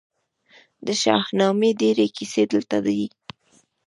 د شاهنامې ډیرې کیسې دلته دي